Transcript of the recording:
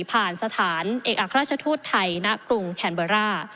สถานเอกอัครราชทูตไทยณกรุงแคนเบอร์ร่า